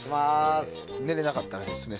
寝れなかったようですね。